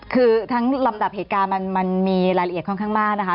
คือทั้งลำดับเหตุการณ์มันมีรายละเอียดค่อนข้างมากนะคะ